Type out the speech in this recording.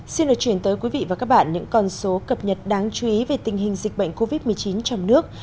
xin được chuyển tới quý vị và các bạn những con số cập nhật đáng chú ý về tình hình dịch bệnh covid một mươi chín trong nước